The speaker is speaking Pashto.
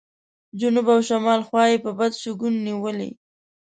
جنوب او شمال خوا یې په بد شګون نیولې.